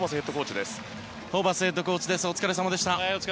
ホーバスヘッドコーチお疲れさまでした。